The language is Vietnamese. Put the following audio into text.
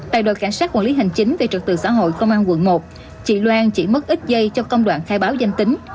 tại đội cảnh sát quản lý hành chính về trật tự xã hội công an quận một chị loan chỉ mất ít giây cho công đoạn khai báo danh tính